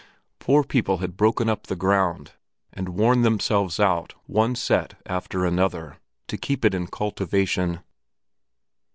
Poor people had broken up the ground, and worn themselves out, one set after another, to keep it in cultivation.